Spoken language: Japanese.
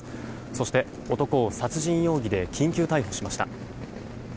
そして、男を殺人容疑で緊急逮捕しました。